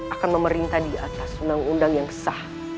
akan memerintah di atas undang undang yang sah